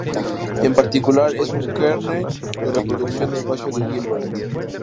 En particular, es un kernel de reproducción de espacio de Hilbert.